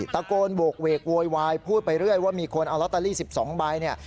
ตะโกนโหกเวกโวยวายพูดไปเรื่อยว่ามีคนเอาลอตเตอรี่๑๒ใบเนี่ย